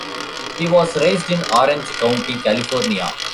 He was raised in Orange County, California.